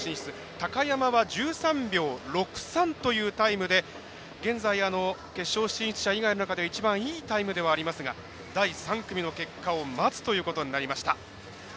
高山は１３秒６３というタイムで現在、決勝進出者以外では一番いいタイムではありますが第３組の結果を待つということになりました。